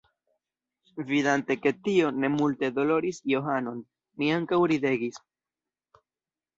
Vidante ke tio ne multe doloris Johanon, mi ankaŭ ridegis.